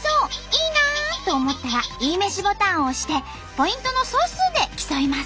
いいな！と思ったらいいめしボタンを押してポイントの総数で競います。